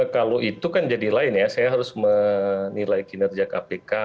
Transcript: kalau itu kan jadi lain ya saya harus menilai kinerja kpk